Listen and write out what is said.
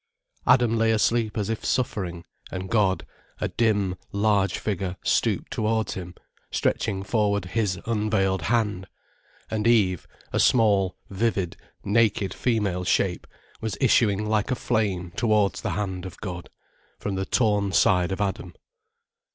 Adam lay asleep as if suffering, and God, a dim, large figure, stooped towards him, stretching forward His unveiled hand; and Eve, a small vivid, naked female shape, was issuing like a flame towards the hand of God, from the torn side of Adam.